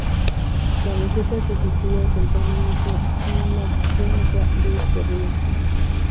La meseta se sitúa centralmente en la cuenca de este río.